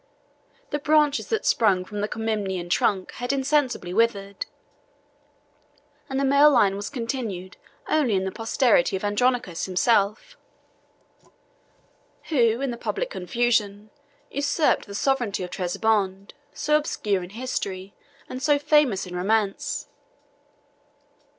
The branches that sprang from the Comnenian trunk had insensibly withered; and the male line was continued only in the posterity of Andronicus himself, who, in the public confusion, usurped the sovereignty of Trebizond, so obscure in history, and so famous in romance.